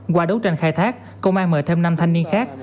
qua đấu tranh khai thác công an mời thêm năm thanh niên khác